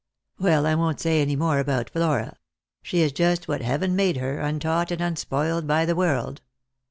Well, I won't say any more about Flora. She is just what Heaven made her, untaught and unspoiled by the world.